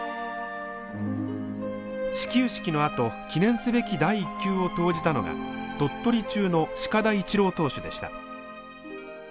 始球式のあと記念すべき第１球を投じたのが鳥取中の鹿田一郎投手でした。